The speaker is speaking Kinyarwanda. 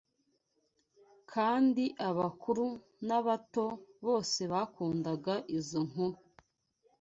kandi abakuru n’abato bose bakundaga izo nkuru